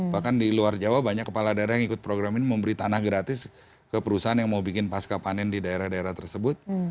bahkan di luar jawa banyak kepala daerah yang ikut program ini memberi tanah gratis ke perusahaan yang mau bikin pasca panen di daerah daerah tersebut